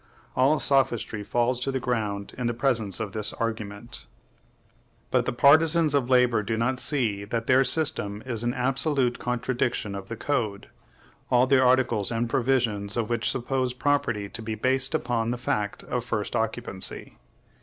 All sophistry falls to the ground in the presence of this argument. But the partisans of labor do not see that their system is an absolute contradiction of the Code, all the articles and provisions of which suppose property to be based upon the fact of first occupancy.